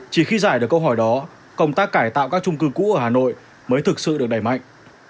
chỉ khi giải được câu hỏi đó công tác cải tạo các trung cư cũ ở hà nội mới thực sự được đẩy mạnh